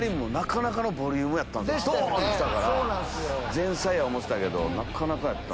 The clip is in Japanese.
前菜や思うてたけどなかなかやった。